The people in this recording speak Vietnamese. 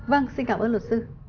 vâng xin cảm ơn luật sư